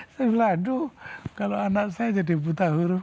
saya bilang aduh kalau anak saya jadi buta huruf